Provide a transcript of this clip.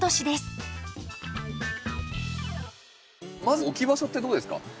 まず置き場所ってどうですか？